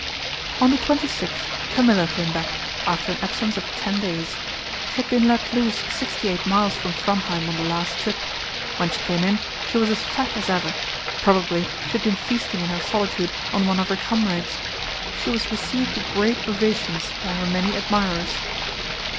On the 26th Camilla came back, after an absence of ten days. She had been let loose sixty eight miles from Framheim on the last trip. When she came in, she was as fat as ever; probably she had been feasting in her solitude on one of her comrades. She was received with great ovations by her many admirers.